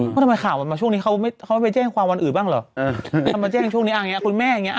ทำไมข่าวมันมาช่วงนี้เขาไปแจ้งความวันอื่นบ้างเหรอทำไมมาแจ้งช่วงนี้คุณแม่อย่างเงี้